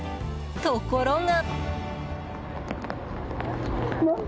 ところが。